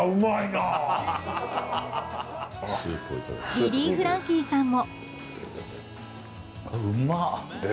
リリー・フランキーさんも。